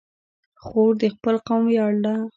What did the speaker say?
خور د خپل قوم ویاړ ده.